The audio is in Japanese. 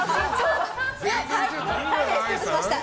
失礼しました。